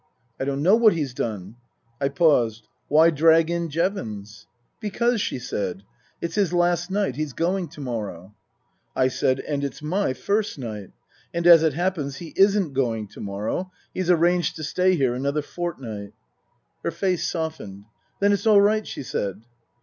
" I don't know what he's done." I paused. " Why drag in Jevons ?"" Because," she said, " it's his last night. He's going to morrow." I said, " And it's my first night. And as it happens he isn't going to morrow. He's arranged to stay here another fortnight." Her face softened. " Then it's all right," she said.